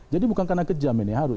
jadi bukan karena kejam ini harus